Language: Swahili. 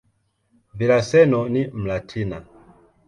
Villaseñor ni "Mlatina".